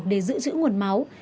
để giữ chữ nguồn máu